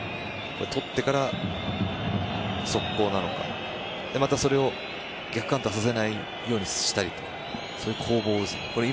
とってから速攻なのかまた、それを逆カウンターさせないようにしたりそういう攻防ですね。